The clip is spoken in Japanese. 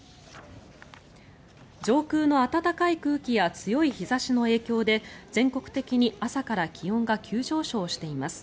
上空の暖かい空気や強い日差しの影響で全国的に朝から気温が急上昇しています。